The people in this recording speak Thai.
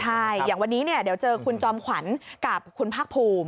ใช่อย่างวันนี้เดี๋ยวเจอคุณจอมขวัญกับคุณภาคภูมิ